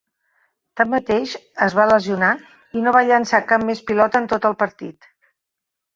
Tanmateix, es va lesionar i no va llançar cap més pilota en tot el partit.